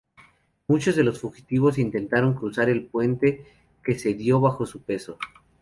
Muchos de los fugitivos intentaron cruzar el puente, que cedió bajo su peso.